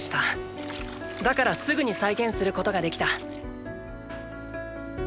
だからすぐに再現することができた。